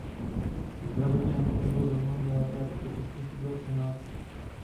Zdravotně na tom nebyl zrovna nejlépe a proto často chyběl v Senátu.